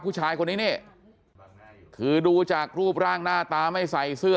ผู้ชายคนนี้นี่คือดูจากรูปร่างหน้าตาไม่ใส่เสื้อ